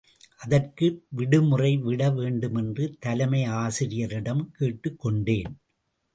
அதற்கு விடுமுறைவிட வேண்டுமென்று தலைமையாசிரியரிடம் கேட்டுக் கொண்டேன்.